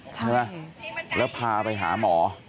ใช่ไหมแล้วพาไปหาหมอ